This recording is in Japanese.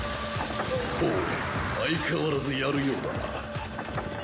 ほぅ相変わらずやるようだな。